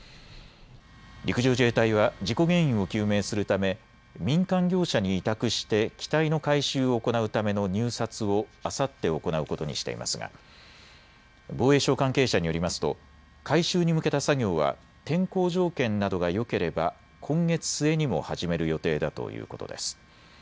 陸上自衛隊は事故原因を究明するため民間業者に委託して機体の回収を行うための入札をあさって行うことにしていますが防衛省関係者によりますと回収に向けた作業は天候条件などがよければ今月末にも始める予定だということです。